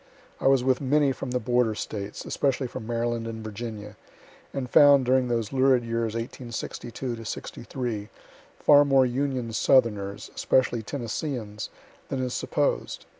I was with many from the border States, especially from Maryland and Virginia, and found, during those lurid years 1862 63, far more Union southerners, especially Tennesseans, than is supposed.